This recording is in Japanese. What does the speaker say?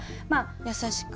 優しく。